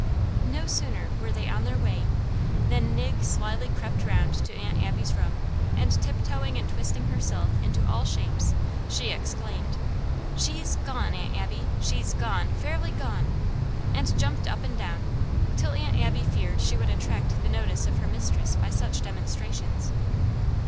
No sooner were they on their way, than Nig slyly crept round to Aunt Abby's room, and tiptoeing and twisting herself into all shapes, she exclaimed, "She's gone, Aunt Abby, she's gone, fairly gone;" and jumped up and down, till Aunt Abby feared she would attract the notice of her mistress by such demonstrations.